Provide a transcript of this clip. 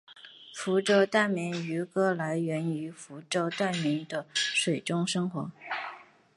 福州疍民渔歌来源于福州疍民的水上生活。